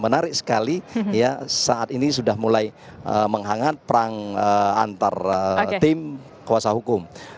menarik sekali ya saat ini sudah mulai menghangat perang antar tim kuasa hukum